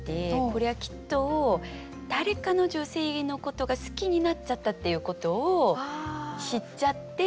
これはきっと誰かの女性のことが好きになっちゃったっていうことを知っちゃって。